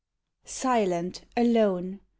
SILENT, alone !